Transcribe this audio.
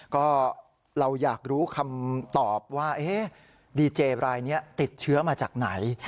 ก็เราอยากรู้คำตอบว่าดีเจรายนี้ติดเชื้อมาจากไหน